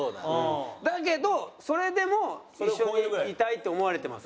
だけどそれでも一緒にいたいって思われてます。